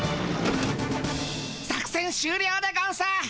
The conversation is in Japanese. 作戦終りょうでゴンス。